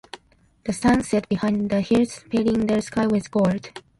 The sun set behind the hills, painting the sky with gold.